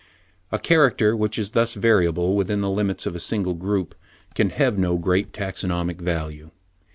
A character which is thus variable within the limits of a single group can have no great taxonomic value.